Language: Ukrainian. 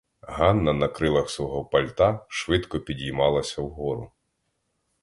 Ганна на крилах свого пальта швидко підіймалася вгору.